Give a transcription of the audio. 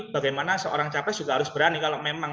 bagaimana seorang capres juga harus berani kalau memang